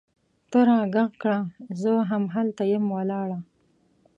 ته راږغ کړه! زه هم هلته یم ولاړه